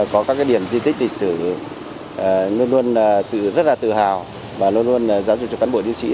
có các điểm di tích lịch sử luôn luôn rất là tự hào và luôn luôn giáo dục cho cán bộ diễn sĩ